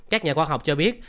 các nhà khoa học cho biết